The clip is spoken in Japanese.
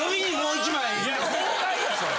いや号外やそれ。